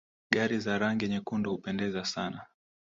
Gari za rangi nyekundu hupendeza sana.